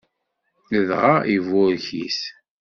Dɣa iburek-it.